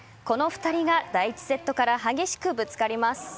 この２人が第１セットから激しくぶつかります。